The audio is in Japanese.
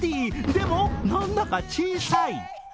でも、何だか小さい。